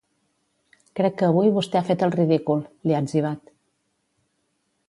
Crec que avui vostè ha fet el ridícul, li ha etzibat.